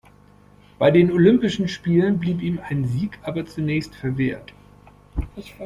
Bei den Olympischen Spielen blieb ihm ein Sieg aber zunächst verwehrt.